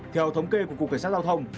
theo thống kê của cục cảnh sát giao thông